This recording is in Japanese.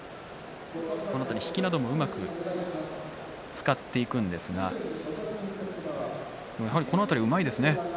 突きなどもうまく使っていくんですがこの辺り、うまいですね。